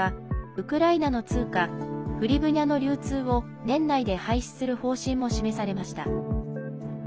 ウクライナの通貨フリブニャの流通を年内で廃止する方針も示されました。